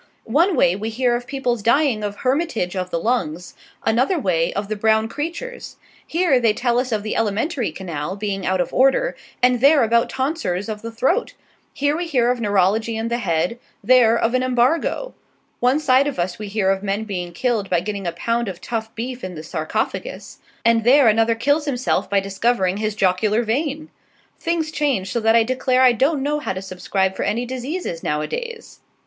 One way we hear of people's dying of hermitage of the lungs; another way, of the brown creatures; here they tell us of the elementary canal being out of order, and there about tonsors of the throat; here we hear of neurology in the head, there, of an embargo; one side of us we hear of men being killed by getting a pound of tough beef in the sarcofagus, and there another kills himself by discovering his jocular vein. Things change so that I declare I don't know how to subscribe for any diseases nowadays.